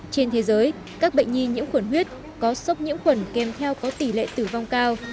trên thế giới các bệnh nhi nhiễm khuẩn huyết có sốc nhiễm khuẩn kèm theo có tỷ lệ tử vong cao